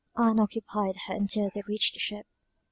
Ann occupied her until they reached the ship.